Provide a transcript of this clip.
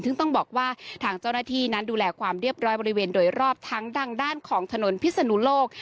ซึ่งต้องบอกว่าทางเจ้าหน้าที่นั้นดูแลความเรียบร้อยบริเวณโดยรอบทั้งดังด้านของถนนพิศนุโลก